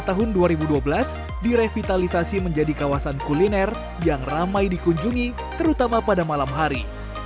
tahun dua ribu dua belas direvitalisasi menjadi kawasan kuliner yang ramai dikunjungi terutama pada malam hari